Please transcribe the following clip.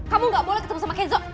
kamu gak boleh ketemu sama kezo